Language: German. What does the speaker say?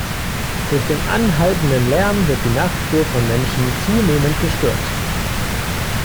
Durch den anhaltenden Lärm wird die Nachtruhe von Menschen zunehmend gestört.